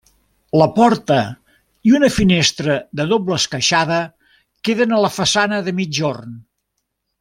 La porta i una finestra de doble esqueixada queden a la façana de migjorn.